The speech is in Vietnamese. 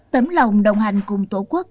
tấm lòng đồng hành cùng tổ quốc